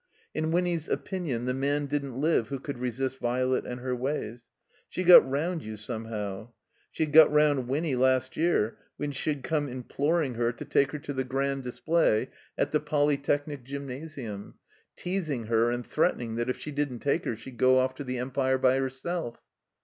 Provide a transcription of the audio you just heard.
In Winny's opinion the man didn't live who could resist Violet and her ways. She got roimd you some how. She had got round Winny last year when she had come imploring her to take her to the Grand 119 THE COMBINED MAZE Display at the Polytechnic Gymnasimn, teasing her and threatening that if she didn't take her she'd go off to the Empire by herself.